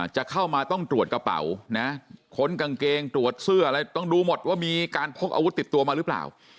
จะเข้ามาต้องตรวจกระเป๋านะค้นกางเกงตรวจเสื้ออะไรต้องดูหมดว่ามีการพกอาวุธติดตัวมาหรือเปล่า